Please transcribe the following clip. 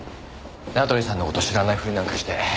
名取さんの事知らないふりなんかして。